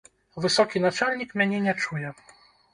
Высокі начальнік мяне не чуе.